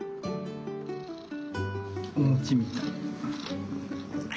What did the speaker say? お餅みたい。